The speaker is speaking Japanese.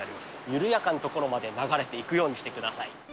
緩やかな所まで流れていくようにしてください。